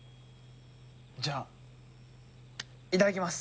じゃあいただきます！